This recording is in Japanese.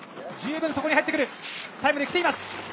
十分、そこに入ってくるタイムできています。